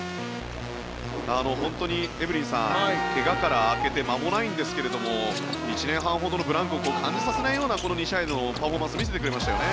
本当にエブリンさん怪我から明けて間もないんですが１年半ほどのブランクを感じさせないような２試合のパフォーマンスを見せてくれましたね。